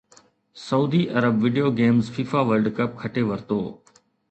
سعودي عرب video games FIFA world cup کٽي ورتو